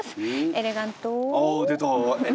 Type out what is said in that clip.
エレガン唐。